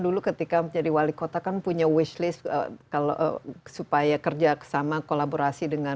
dulu ketika menjadi wali kota kan punya wish list supaya kerja sama kolaborasi dengan